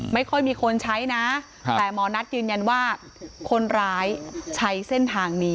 ไม่ค่อยมีคนใช้นะแต่หมอนัทยืนยันว่าคนร้ายใช้เส้นทางนี้